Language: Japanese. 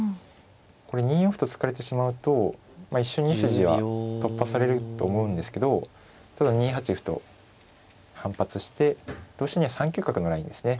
これ２四歩と突かれてしまうと一瞬２筋は突破されると思うんですけどただ２八歩と反発して同飛車には３九角のラインですね。